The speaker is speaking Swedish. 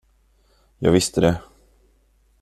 Jag visste det.